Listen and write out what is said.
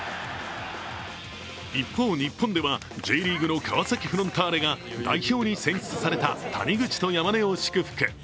一方、日本ではＪリーグの川崎フロンターレが代表に選出された谷口と山根を祝福。